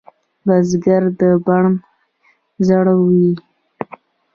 بزګر د بڼ زړه وي